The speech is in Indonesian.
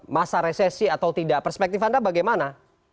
masa resesi atau tidak perspektif anda bagaimana